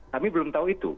tapi belum tahu itu